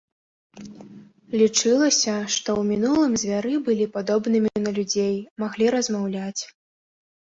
Лічылася, што ў мінулым звяры былі падобнымі на людзей, маглі размаўляць.